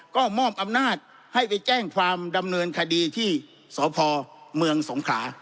ก็มอบอำนาจให้ไปแจ้งความดำเนินคดีที่สพเมืองสงขลา